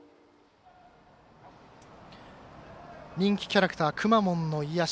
人気キャラクターくまモンの癒やし。